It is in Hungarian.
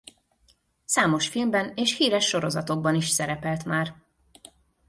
Számos filmben és híres sorozatokban is szerepelt már.